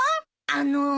あの。